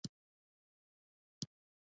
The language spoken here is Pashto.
دا قانون لیکل شوی نه دی خو په زړونو کې دی.